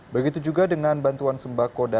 begitu juga dengan bantuan sembako